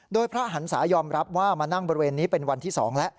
โดยพระหันศายอมรับว่ามานั่งบริเวณนี้เป็นวันที่๒แล้ว